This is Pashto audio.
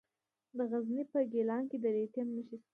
د غزني په ګیلان کې د لیتیم نښې شته.